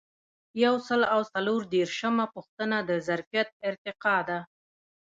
یو سل او څلور دیرشمه پوښتنه د ظرفیت ارتقا ده.